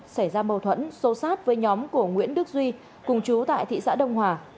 xảy ra mâu thuẫn xô sát với nhóm của nguyễn đức duy cùng chú tại thị xã đông hòa